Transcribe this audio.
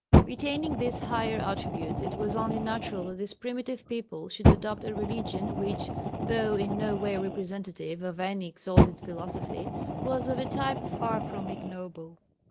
Retaining these higher attributes, it was only natural that this primitive people should adopt a religion, which, though in no way representative of any exalted philosophy, was of a type far from ignoble.